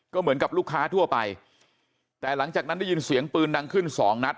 ก็เหมือนกับลูกค้าทั่วไปแต่หลังจากนั้นได้ยินเสียงปืนดังขึ้นสองนัด